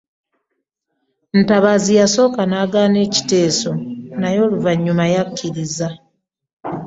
Ntabaazi yasooka n'agaana ekiteeso naye oluvannyuma yakkiriza.